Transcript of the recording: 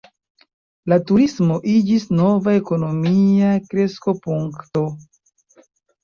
La turismo iĝis nova ekonomia kreskopunkto.